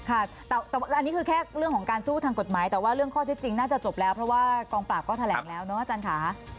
ค่ะแต่อันนี้คือแค่เรื่องของการสู้ทางกฎหมายแต่ว่าเรื่องข้อเท็จจริงน่าจะจบแล้วเพราะว่ากองปราบก็แถลงแล้วเนอะอาจารย์ค่ะ